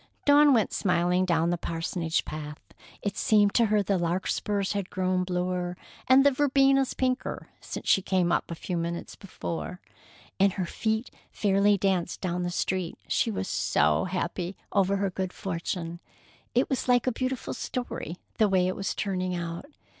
Dawn went smiling down the parsonage path. It seemed to her the larkspurs had grown bluer and the verbenas pinker since she came up a few minutes before, and her feet fairly danced down the street, she was so happy over her good fortune. It was like a beautiful story, the way it was turning out.